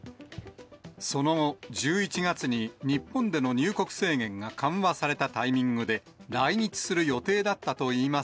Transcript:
その後、１１月に日本での入国制限が緩和されたタイミングで来日する予定